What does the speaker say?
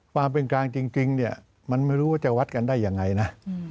ความเป็นกลางจริงเนี่ยมันไม่รู้ว่าจะวัดกันได้ยังไงนะ